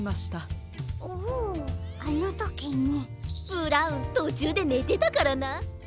ブラウンとちゅうでねてたからな。